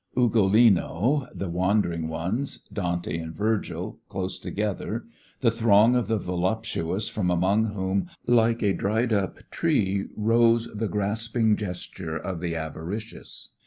Ugolino; the wandering ones, Dante and Virgil, close together; the throng of the voluptuous from among whom like a dried up tree rose the grasping gesture of the avaricious.